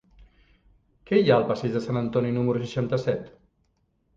Què hi ha al passeig de Sant Antoni número seixanta-set?